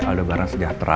kalau nggak elector pula